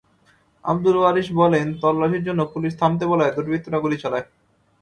আবদুল ওয়ারীশ বলেন, তল্লাশির জন্য পুলিশ থামতে বলায় দুর্বৃত্তরা গুলি চালায়।